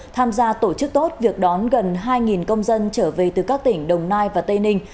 tham gia tổ chức tốt việc đón gần hai công dân trở về từ các tỉnh đồng nai và tây ninh